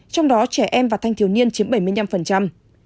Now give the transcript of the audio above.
trong đó trẻ em và thanh thiếu niên chiếm bảy mươi năm